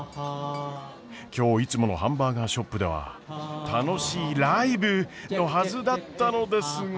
今日いつものハンバーガーショップでは楽しいライブのはずだったのですが。